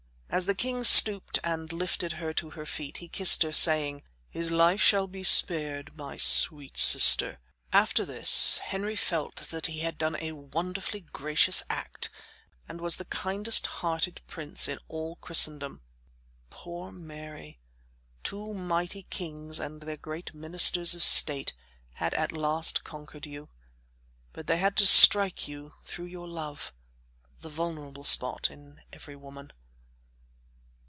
As the king stooped and lifted her to her feet, he kissed her, saying: "His life shall be spared, my sweet sister." After this, Henry felt that he had done a wonderfully gracious act and was the kindest hearted prince in all Christendom. Poor Mary! Two mighty kings and their great ministers of state had at last conquered you, but they had to strike you through your love the vulnerable spot in every woman.